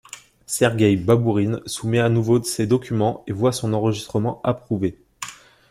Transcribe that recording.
Sergueï Babourine soumet à nouveau ses documents et voit son enregistrement approuvé.